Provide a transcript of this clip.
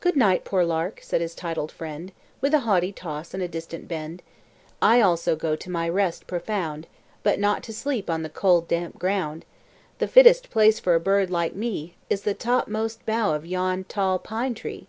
"Good night, poor Lark," said his titled friend With a haughty toss and a distant bend; "I also go to my rest profound, But not to sleep on the cold, damp ground. The fittest place for a bird like me Is the topmost bough of yon tall pine tree.